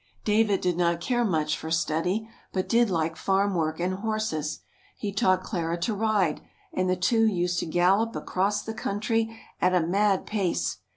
David did not care much for study, but did like farm work and horses. He taught Clara to ride, and the two used to gallop across the country at a mad pace.